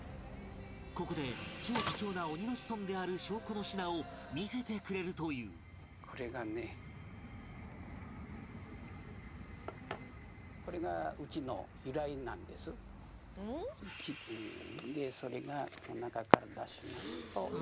ここで超貴重な鬼の子孫である証拠の品を見せてくれるというでそれが中から出しますと。